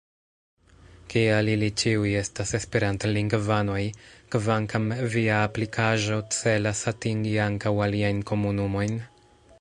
Kial ili ĉiuj estas esperantlingvanoj, kvankam via aplikaĵo celas atingi ankaŭ aliajn komunumojn?